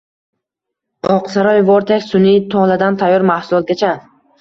“Oqsaroy Vortex” – sun’iy toladan tayyor mahsulotgacha